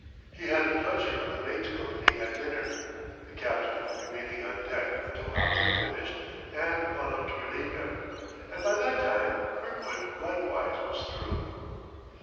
He had the pleasure of the mate's company at dinner, the captain remaining on deck until Hobbs had finished and gone up to relieve him; and by that time Kirkwood likewise was through.